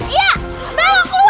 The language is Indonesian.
iya lu keluar ibu